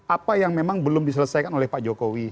apa yang memang belum diselesaikan oleh pak jokowi